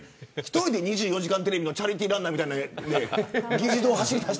１人で２４時間テレビのチャリティーランナーみたいな。